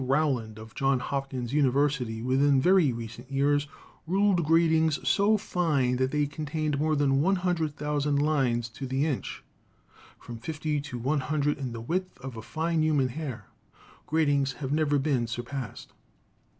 Rowland, of Johns Hopkins University, within very recent years ruled gratings so fine that they con tained more than 100,000 lines to the inch — from fifty to a hundred in the width of a fine human hair — gratings which have never been surpassed.